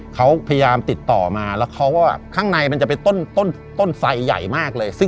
เขาพยายามติดต่อมาแล้วเขาว่าข้างในมันจะเป็นต้นไสใหญ่มากเลย